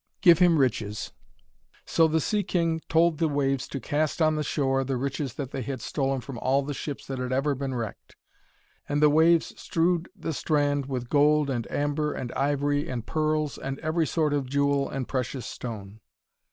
'Give him riches.' So the sea king told the waves to cast on the shore riches that they had stolen from all the ships that had ever been wrecked. And the waves strewed the strand with gold and amber and ivory and pearls, and every sort of jewel and precious stone.